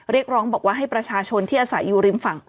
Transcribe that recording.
เรียกร้องบอกว่าให้ประชาชนที่อาศัยอยู่ริมฝั่ง